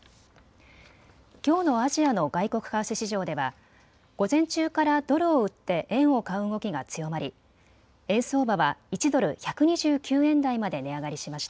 きょうのアジアの外国為替市場では午前中からドルを売って円を買う動きが強まり円相場は１ドル１２９円台まで値上がりしました。